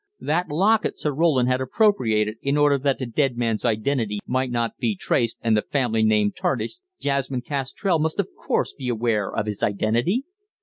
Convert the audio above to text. That locket Sir Roland had appropriated in order that the dead man's identity might not be traced and the family name tarnished. Jasmine Gastrell must of course be aware of his identity?